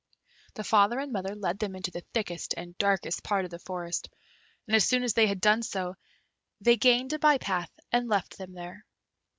The father and mother led them into the thickest and darkest part of the forest; and as soon as they had done so, they gained a by path, and left them there.